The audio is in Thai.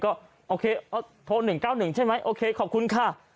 ก็โอเคโทร๑๙๑ใช่ไหมโอเคขอบคุณค่ะ